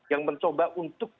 yang mencoba untuk